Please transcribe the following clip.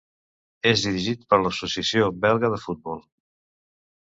És dirigit per l'Associació Belga de Futbol.